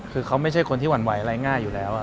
คือเขาไม่ใช่คนที่หวั่นไหวอะไรง่ายอยู่แล้ว